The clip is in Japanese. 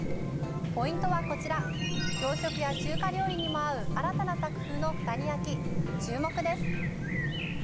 ポイントはこちら洋食や中華料理にも合う新たな作風の九谷焼。